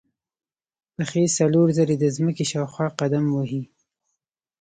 پښې څلور ځلې د ځمکې شاوخوا قدم وهي.